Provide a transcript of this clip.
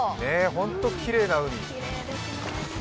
本当、きれいな海。